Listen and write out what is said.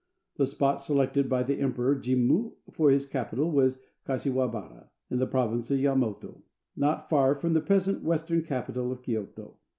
The spot selected by the Emperor Jimmu for his capital was Kashiwabara, in the province of Yamato, not far from the present western capital of Kioto.